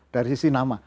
dari sisi nama